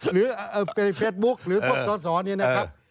หรือเฟสบุ๊คหรือโครงสอบนี้นะครับ